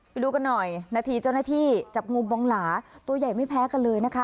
ไปดูกันหน่อยนาทีเจ้าหน้าที่จับงูบองหลาตัวใหญ่ไม่แพ้กันเลยนะคะ